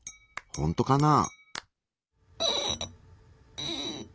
ほんとかな？